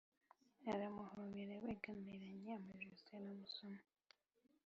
Aramuhobera begamiranya amajosi aramusoma